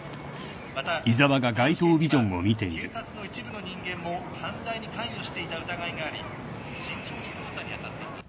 またこの事件には警察の一部の人間も犯罪に関与していた疑いがあり慎重に捜査に当たっています。